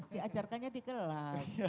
diajarkan di kelas